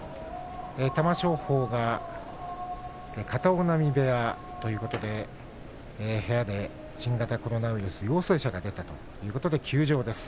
玉正鳳が片男波部屋ということで部屋で新型コロナウイルス陽性者が出たということで休場です。